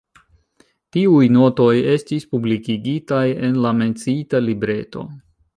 Tiuj notoj estis publikigitaj en la menciita libreto.